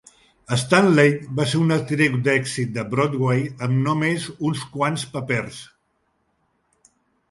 Stanley va ser una actriu d'èxit de Broadway amb només uns quants papers.